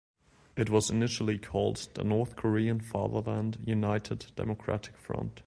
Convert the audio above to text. It was initially called the North Korean Fatherland United Democratic Front.